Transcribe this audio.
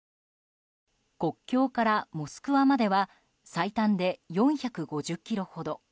国境からモスクワまでは最短で４５０ｋｍほど。